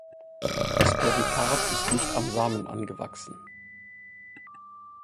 Das Perikarp ist nicht am Samen angewachsen.